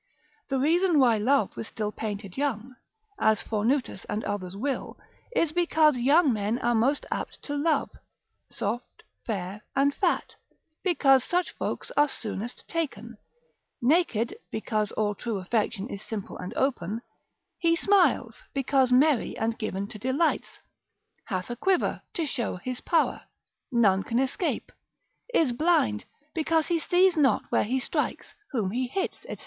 The reason why Love was still painted young, (as Phornutus and others will) is because young men are most apt to love; soft, fair, and fat, because such folks are soonest taken: naked, because all true affection is simple and open: he smiles, because merry and given to delights: hath a quiver, to show his power, none can escape: is blind, because he sees not where he strikes, whom he hits, &c.